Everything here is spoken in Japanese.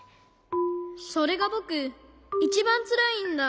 それがぼくいちばんつらいんだ。